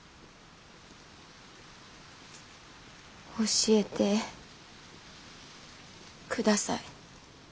教えてください。